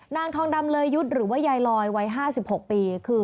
นางทองดำเลยยุทธ์หรือว่ายายลอยวัย๕๖ปีคือ